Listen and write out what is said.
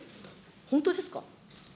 本当ですか。